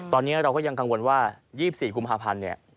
ตอนนี้เราก็ยังกังวลว่า๒๔กุมภาพันธ์เนี่ย